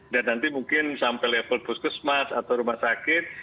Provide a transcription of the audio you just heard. dan nanti mungkin sampai level puskesmas atau rumah sakit